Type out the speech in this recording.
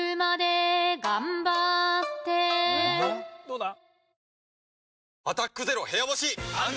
どうだ？